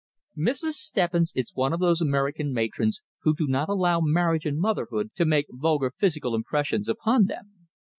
Mrs. Stebbins is one of those American matrons who do not allow marriage and motherhood to make vulgar physical impressions upon them.